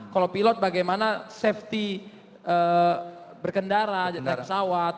kalau pilot bagaimana safety berkendara pesawat